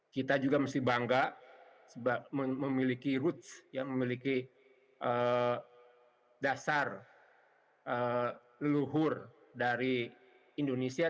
kita juga mesti bangga memiliki roots memiliki dasar leluhur dari indonesia